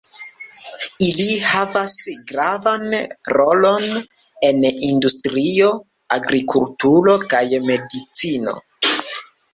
Ili havas gravan rolon en industrio, agrikulturo kaj medicino.